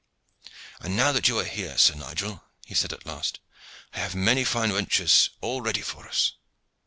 "And now that you are here, Sir Nigel," he said at last, "I have many fine ventures all ready for us.